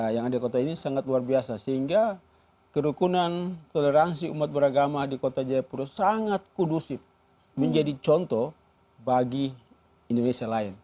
yang ada di kota ini sangat luar biasa sehingga kerukunan toleransi umat beragama di kota jayapura sangat kudusif menjadi contoh bagi indonesia lain